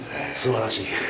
すばらしい。